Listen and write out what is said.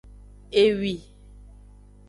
Ewi.